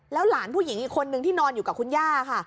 หลานผู้หญิงอีกคนนึงที่นอนอยู่กับคุณย่าค่ะ